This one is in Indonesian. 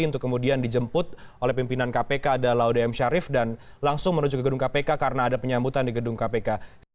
untuk kemudian dijemput oleh pimpinan kpk ada laude m syarif dan langsung menuju ke gedung kpk karena ada penyambutan di gedung kpk